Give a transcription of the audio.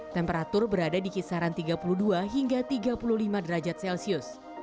temperatur berada di kisaran tiga puluh dua hingga tiga puluh lima derajat celcius